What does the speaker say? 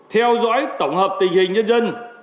theo dõi tổng hợp tình hình nhân dân